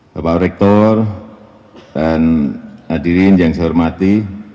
bapak rektor dan hadirin yang saya hormati